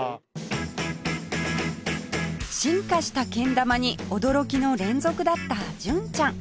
進化したけん玉に驚きの連続だった純ちゃん